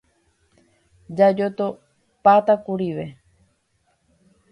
Jajotopáta kurive.